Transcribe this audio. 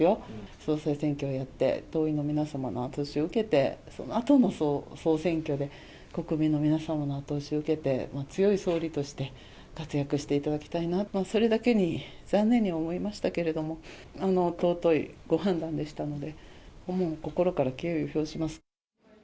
総裁選挙をやって、党員の皆様の後押しを受けて、そのあとの総選挙で国民の皆様の後押しを受けて、強い総理として活躍していただきたいな、それだけに残念に思いましたけれども、尊いご判断でしたので、心から敬意を表します。